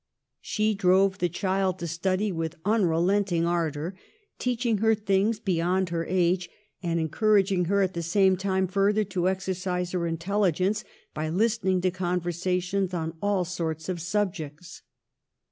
She drove the child to study with unrelenting ardor, teaching her things beyond her age, and encouraging her at the same time further to exer cise her intelligence by listening to conversations on all sorts of subjects.